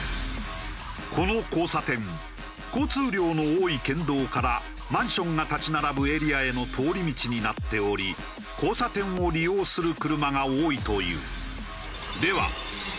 この交差点交通量の多い県道からマンションが立ち並ぶエリアへの通り道になっており交差点を利用する車が多いという。